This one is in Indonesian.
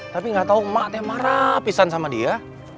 tapi nggak tahu emak teh marah pisan sama dia